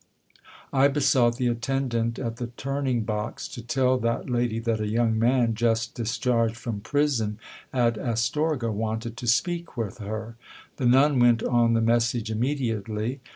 I besought the attendant at the turning box to tell that lady that a young man just discharged from prison at Astorga wanted to speak with her. The nun went on the message immediately.